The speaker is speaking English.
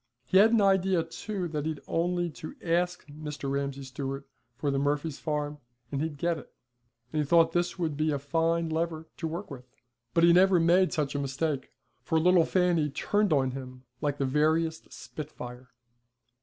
He had an idea too that he'd only to ask Mr. Ramsay Stewart for the Murphys' farm and he'd get it, and he thought this would be a fine lever to work with. But he never made such a mistake, for little Fanny turned on him like the veriest spitfire.